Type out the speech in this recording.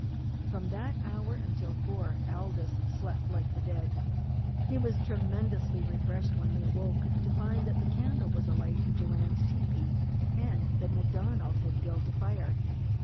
From that hour until four Aldous slept like the dead. He was tremendously refreshed when he arose, to find that the candle was alight in Joanne's tepee, and that MacDonald had built a fire.